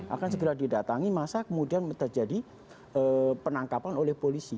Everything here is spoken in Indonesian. akan segera didatangi masa kemudian terjadi penangkapan oleh polisi